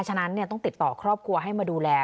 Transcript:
ฉะนั้นต้องติดต่อครอบครัวให้มาดูแล